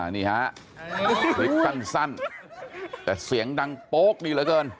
นี่ฮะคลิปสั้นแต่เสียงดังโป๊กดีเหลือเกิน